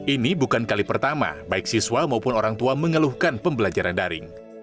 ini bukan kali pertama baik siswa maupun orang tua mengeluhkan pembelajaran daring